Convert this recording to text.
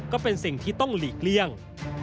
ก็เป็นสิ่งที่ต้องหลีกเลี่ยง